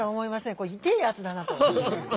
これいてえやつだなと。